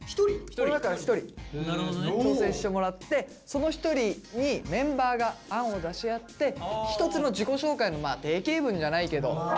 この中から１人挑戦してもらってその１人にメンバーが案を出し合って１つの自己紹介の定型文じゃないけど。